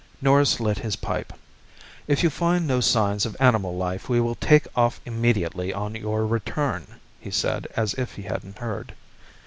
Norris lit his pipe. "If you find no sign of animal life we will take off immediately on your return," he said as if he hadn't heard.